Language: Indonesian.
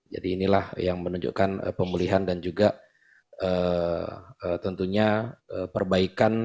jadi inilah yang menunjukkan pemulihan dan juga tentunya perbaikan